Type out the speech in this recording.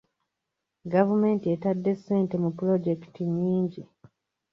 Gavumenti ettadde ssente mu pulojekiti nnyingi.